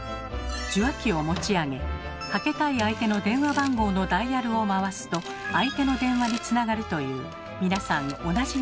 受話器を持ち上げかけたい相手の電話番号のダイヤルを回すと相手の電話につながるという皆さんおなじみの仕組みに。